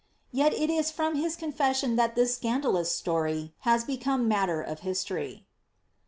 ^' Tet it is from his confession that this scandalous story has becooie matter of history.